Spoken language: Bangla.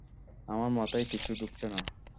আমার মাথায় কিচ্ছু ঢুকছে না।